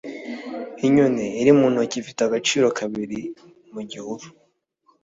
inyoni iri mu ntoki ifite agaciro kabiri mu gihuru